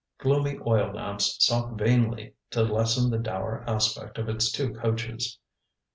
Gloomy oil lamps sought vainly to lessen the dour aspect of its two coaches.